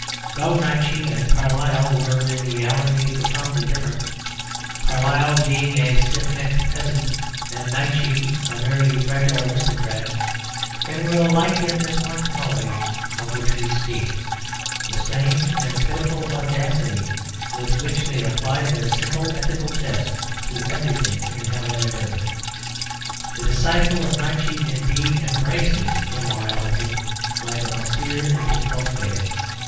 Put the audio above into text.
Though Nietzsche and Carlyle were in reality profoundly different, Carlyle being a stiff necked peasant and Nietzsche a very fragile aristocrat, they were alike in this one quality of which we speak, the strange and pitiful audacity with which they applied their single ethical test to everything in heaven and earth. The disciple of Nietzsche, indeed, embraces immorality like an austere and difficult faith.